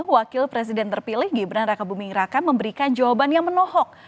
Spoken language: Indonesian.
wakil presiden terpilih gibran raka buming raka memberikan jawaban yang menohok